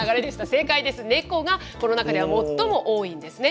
正解です、ネコがこの中では最も多いんですね。